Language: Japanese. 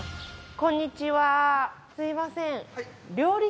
こんにちはすいません